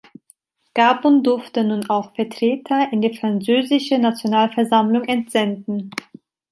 Gabun durfte nun auch Vertreter in die französische Nationalversammlung entsenden.